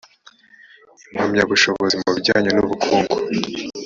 impamyabushobozi mu bijyanye n ubukungu